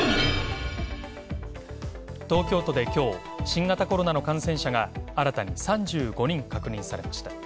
東京都で今日、新型コロナの感染者が新たに３５人確認されました。